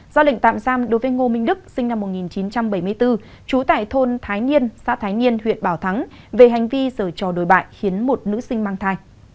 ra lệnh tạm giam đối với ngô minh đức sinh năm một nghìn chín trăm bảy mươi bốn trú tại thôn thái nhiên xã thái niên huyện bảo thắng về hành vi giờ trò đồi bại khiến một nữ sinh mang thai